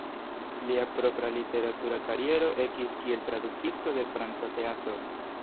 Lia propra literatura kariero ekis kiel tradukisto de franca teatro.